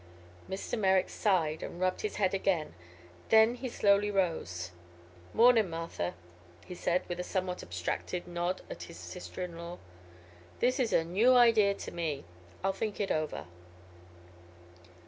Mr. Merrick sighed and rubbed his head again. Then he slowly rose. "Mornin', Martha," he said, with a somewhat abstracted nod at his sister in law. "This is a new idea to me. I'll think it over."